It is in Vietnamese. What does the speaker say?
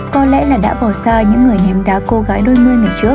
có lẽ là đã bỏ xa những người nếm đá cô gái đôi mươi ngày trước